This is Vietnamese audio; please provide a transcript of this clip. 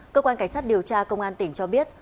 cơ quan cảnh sát điều tra công an tỉnh cho biết